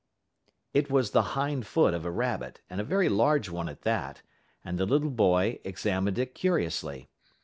It was the hind foot of a rabbit, and a very large one at that, and the little boy examined it curiously.